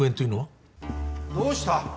どうした？